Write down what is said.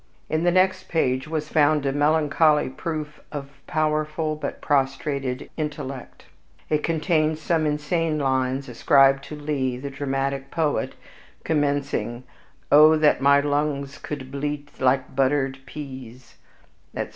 In the next page was found a melancholy proof of powerful but prostrated intellect. It contained some insane lines, ascribed to Lee the dramatic poet, commencing, "O that my lungs could bleat like buttered pease," &c.